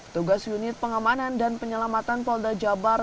tugas unit pengamanan dan penyelamatan polda jabar